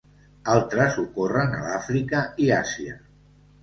Altres ocorren a l'Àfrica i Àsia.